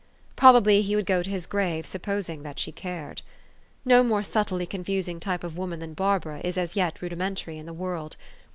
Probably he would go to his grave supposing that she cared. No more subtly confusing type of woman than Barbara is as }'et rudimentary in the world.